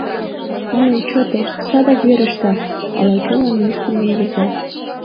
— Ну, чыте, садак верештат! — ала-кӧлан мушкындым рӱза.